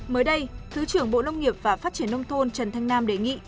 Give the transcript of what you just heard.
mới đây thứ trưởng bộ nông nghiệp và phát triển nông thôn trần thanh nam đề nghị